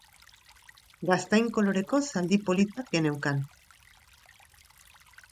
Gaztain koloreko zaldi poli bat geneukan.